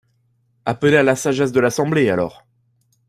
Appelez à la sagesse de l’Assemblée, alors